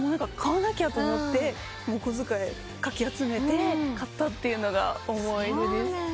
買わなきゃと思ってお小遣いかき集めて買ったっていうのが思い出です。